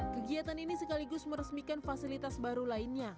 kegiatan ini sekaligus meresmikan fasilitas baru lainnya